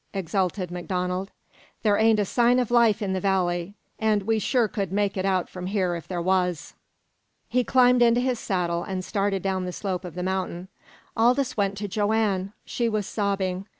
exulted MacDonald. "There ain't a sign of life in the valley, and we sure could make it out from here if there was!" He climbed into his saddle, and started down the slope of the mountain. Aldous went to Joanne. She was sobbing.